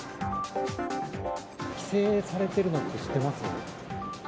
規制されてるのって知ってます？